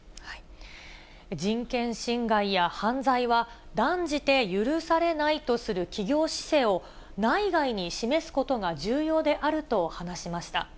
人権侵害や犯罪は断じて許されないとする企業姿勢を、内外に示すことが重要であると話しました。